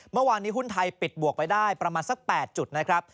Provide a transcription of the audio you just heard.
เมื่อวานนี้หุ้นไทยปิดบวกไปได้ประมาณสัก๘จุดนะครับ